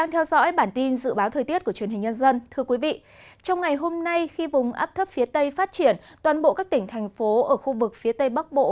trong ngày hôm nay khi vùng áp thấp phía tây phát triển toàn bộ các tỉnh thành phố ở khu vực phía tây bắc bộ